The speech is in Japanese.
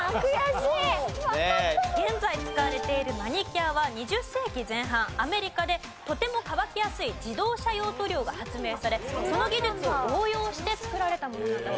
現在使われているマニキュアは２０世紀前半アメリカでとても乾きやすい自動車用塗料が発明されその技術を応用して作られたものなんだそうです。